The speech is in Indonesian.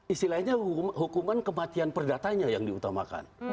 istilahnya hukuman kematian perdatanya yang diutamakan